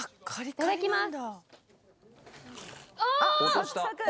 いただきます。